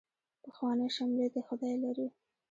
پخوانۍ شملې دې خدای لري.